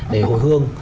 để hồi hương